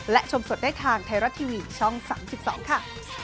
และชมสดได้ทางไทยรัฐทีวีช่อง๓๒ค่ะ